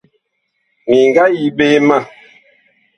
Mi nga yi ɓe ma.